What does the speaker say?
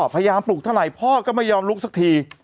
ปลุกเท่าไหร่พ่อก็ไม่ยอมลุกสักที